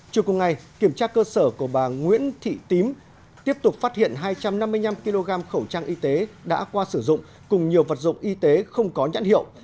trước cùng ngày kiểm tra cơ sở của bà nguyễn thị tím tiếp tục phát hiện hai trăm năm mươi năm kg khẩu trang y tế đã qua sử dụng cùng nhiều vật dụng y tế không có nhãn hiệu